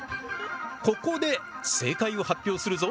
ここで正解を発表するぞ。